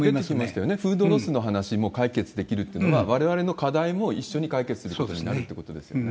フードロスの話も解決できるっていうのは、われわれの課題も一緒に解決することになるってことですよね。